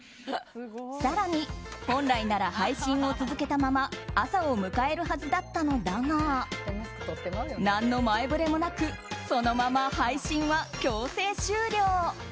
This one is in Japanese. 更に、本来なら配信を続けたまま朝を迎えるはずだったのだが何の前触れもなくそのまま配信は強制終了。